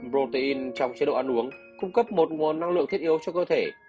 protein trong chế độ ăn uống cung cấp một nguồn năng lượng thiết yếu cho cơ thể